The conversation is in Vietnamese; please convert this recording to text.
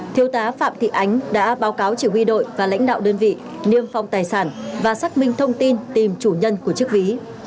thiếu tá phạm thị ánh đã báo cáo chỉ huy đội và lãnh đạo đơn vị niêm phong tài sản và xác minh thông tin tìm chủ nhân của chiếc ví